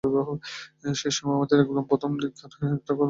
সেই সময়ই, একদম প্রথম দিককার একটা অনেক পুরোনো তিন গোয়েন্দা চোখে পড়ল।